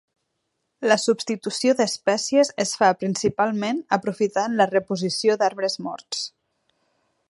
La substitució d'espècies es fa principalment aprofitant la reposició d'arbres morts.